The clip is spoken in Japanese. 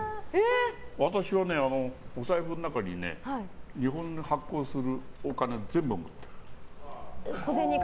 私はお財布の中に日本が発行するお金を全部持ってる。